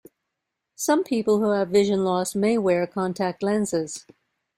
Some people who have vision loss may wear contact lenses.